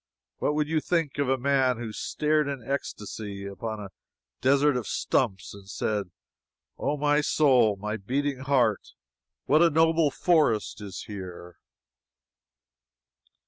What would you think of a man who stared in ecstasy upon a desert of stumps and said: "Oh, my soul, my beating heart, what a noble forest is here!"